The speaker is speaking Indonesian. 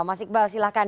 mas iqbal silahkan